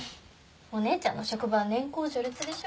お姉ちゃんの職場は年功序列でしょ？